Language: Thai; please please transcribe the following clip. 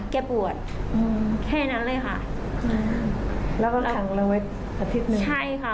แก้ปวดแค่นั้นเลยค่ะ